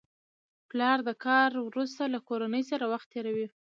پلر د کار وروسته له کورنۍ سره وخت تېروي